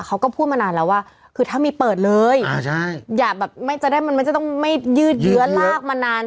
เขาก็พูดมานานแล้วว่าคือถ้ามีเปิดเลยอย่าแบบไม่จะได้มันไม่จะต้องไม่ยืดเยื้อลากมานาน